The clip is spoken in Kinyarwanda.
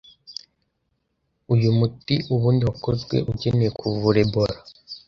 Uyu muti ubundi wakozwe ugenewe kuvura Ebola